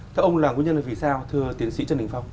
thưa ông là nguyên nhân là vì sao thưa tiến sĩ trần đình phong